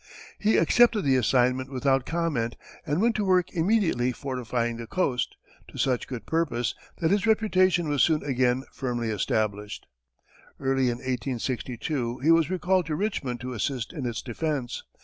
He accepted the assignment without comment, and went to work immediately fortifying the coast, to such good purpose that his reputation was soon again firmly established. Early in 1862, he was recalled to Richmond to assist in its defense.